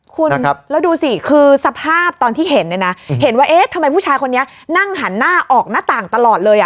คุณแล้วดูสิคือสภาพตอนที่เห็นเนี่ยนะเห็นว่าเอ๊ะทำไมผู้ชายคนนี้นั่งหันหน้าออกหน้าต่างตลอดเลยอ่ะ